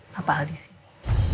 papa al di sini